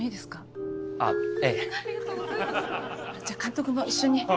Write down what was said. じゃあ監督も一緒に。